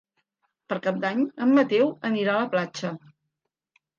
Per Cap d'Any en Mateu anirà a la platja.